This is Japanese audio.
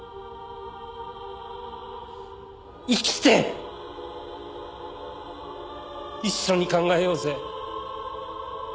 生きて一緒に考えようぜ。